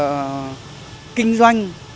cách chúng ta kinh doanh chúng ta đầu tư